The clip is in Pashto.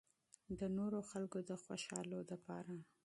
د نورو خلکو د خوشالو د پاره